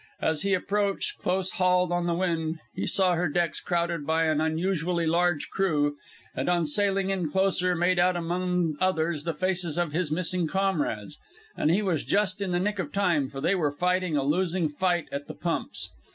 As he approached, close hauled on the wind, he saw her decks crowded by an unusually large crew, and on sailing in closer, made out among others the faces of his missing comrades. And he was just in the nick of time, for they were fighting a losing fight at the pumps.